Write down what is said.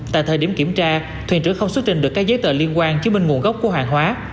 tại thời điểm kiểm tra thuyền trưởng không xuất trình được các giấy tờ liên quan chứng minh nguồn gốc của hàng hóa